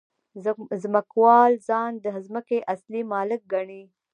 ځمکوال ځان د ځمکې اصلي مالک ګڼي